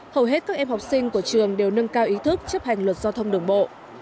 hầu hết các em học sinh của trường đều nâng cao ý thức chấp hành luật giao thông đường bộ